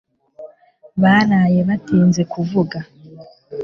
baraye batinze kuvuga